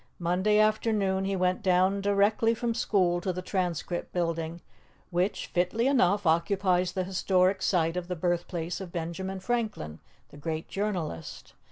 Monday afternoon, he went down directly from school to the Transcript building, which, fitly enough, occupies the historic site of the birthplace of Benjamin Franklin, the great journalist.